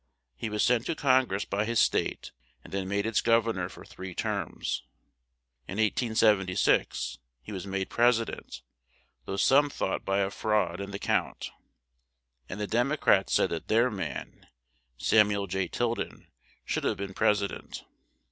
He was sent to Con gress by his state; and then made its gov ern or for three terms. In 1876, he was made pres i dent; though some thought by a fraud in the count; and the Dem o crats said that their man, Sam u el J. Til den, should have been pres i dent.